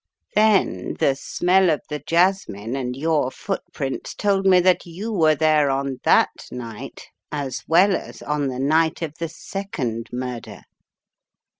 Then the smell of the jasmine and your footprints told me that you were there on that night, as well as on the night of the second mur der.